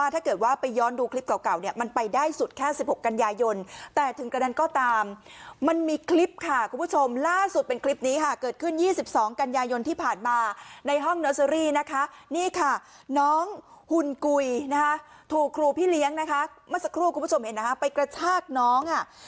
ถูกครูพี่เลี้ยงนะคะมาสักครู่คุณผู้ชมเห็นนะคะไปกระชากน้อง